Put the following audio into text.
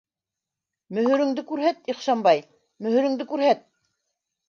Мөһөрөңдө күрһәт, Ихшанбай, мөһөрөңдө күрһәт!